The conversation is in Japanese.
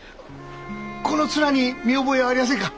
この面に見覚えはありやせんか？